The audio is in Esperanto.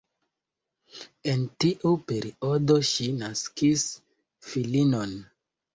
En tiu periodo ŝi naskis filinon.